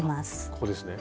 ここですね。